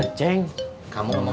nanti kita ke sana